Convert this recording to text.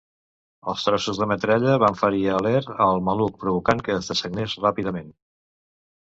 Els trossos de metralla van ferir a Leer al maluc, provocant que es dessagnés ràpidament.